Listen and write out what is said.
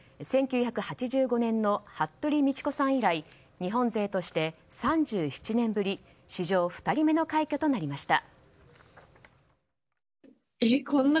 １９８５年の服部道子さん以来日本勢として３７年ぶり史上２人目の快挙となりました。